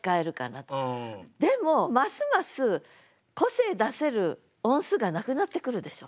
でもますます個性出せる音数がなくなってくるでしょ。